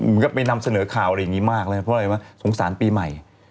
ไปนำเสนอข่าวอะไรอย่างนี้มากเลยเพราะอะไรวะสงสารปีใหม่